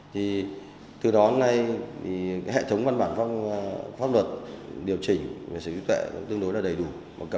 thì từ đó đến nay hệ thống văn bản pháp luật điều chỉnh về sở hữu trí tuệ tương đối là đầy đủ và cập nhật đối với thế giới